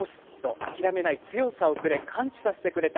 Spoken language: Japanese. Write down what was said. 諦めない強さをくれ完治させてくれた。